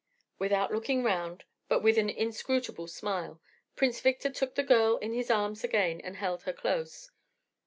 Without looking round, but with an inscrutable smile, Prince Victor took the girl in his arms again and held her close.